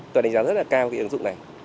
tôi đánh giá rất là cao cái ứng dụng này